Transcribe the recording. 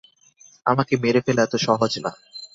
আমাকে মেরে ফেলা এত সহজ না।